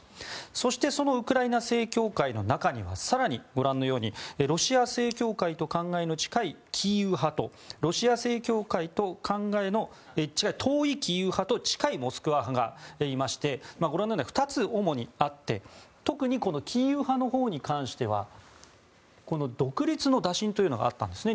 そしてそのウクライナ正教会の中には更に、ご覧のようにロシア正教会と考えの遠いキーウ派とロシア正教会と考えの近いモスクワ派がいましてご覧のような２つ、主にあって特にキーウ派のほうに関しては独立の打診というのがあったんですね。